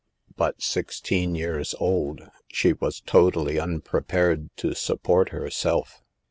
But sixteen years old, she was totally unprepared to support her self.